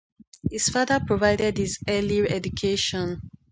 His father provided his early education.